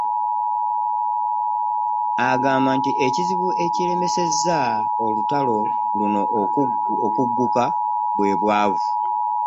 Agamba nti ekizibu ekiremesezza olutalo luno okugguka bwe bwavu